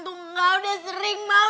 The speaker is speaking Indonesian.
tunggal dan sering mau